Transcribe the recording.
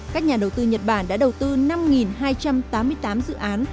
các nhà đầu tư nhật bản đã đầu tư năm hai trăm tám mươi tám dự án